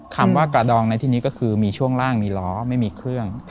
คำว่ากระดองในที่นี้ก็คือมีช่วงล่างมีล้อไม่มีเครื่อง